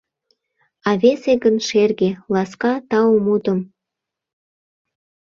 А весе гын шерге, ласка тау мутым